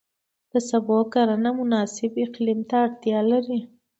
د سبو کرنه مناسب اقلیم ته اړتیا لري.